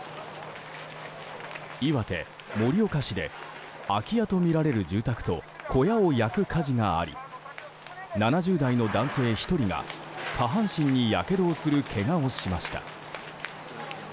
岩手・盛岡市で空き家とみられる住宅と小屋を焼く火事があり７０代の男性１人が下半身にやけどをするけがをしました。